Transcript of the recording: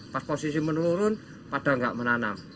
pas posisi menurun pada nggak menanam